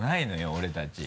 俺たち。